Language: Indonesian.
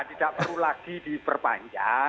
tidak perlu lagi diperpanjang